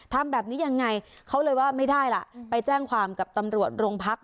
ทำแบบนี้ยังไงเขาเลยว่าไม่ได้ล่ะไปแจ้งความกับตำรวจโรงพัก